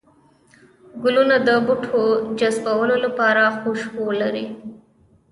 گلونه د بوټو جذبولو لپاره خوشبو لري